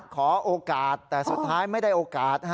ขอโอกาสแต่สุดท้ายไม่ได้โอกาส